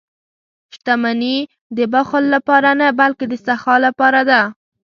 • شتمني د بخل لپاره نه، بلکې د سخا لپاره ده.